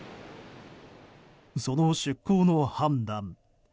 その出航の判断。